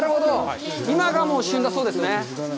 今が旬だそうですね。